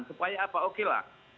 supaya apa oke lah